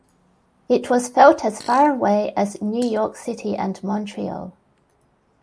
It was felt as far away as New York City and Montreal.